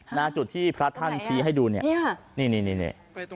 หน้าจุดที่พระท่านชี้ให้ดูเนี่ยนี่นี่